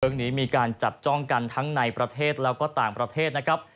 มีการจับจ้องกันทั้งในประเทศแล้วก็ต่างประเทศนะครับ